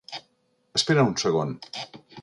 Espera un segon.